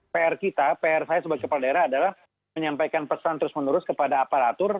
pr kita pr saya sebagai kepala daerah adalah menyampaikan pesan terus menerus kepada aparatur